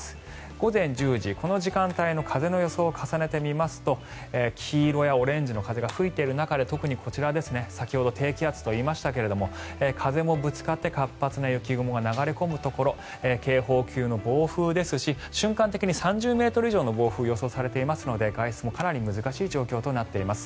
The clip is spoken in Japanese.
午前１０時、この時間帯の風の予想を重ね合わせると黄色やオレンジの風が吹いている中で特にこちら先ほど低気圧と言いましたが風もぶつかって活発な雪雲が流れ込むところ警報級の暴風ですし瞬間的に３０ｍ以上の暴風が予想されていますので外出もかなり難しい状況となっています。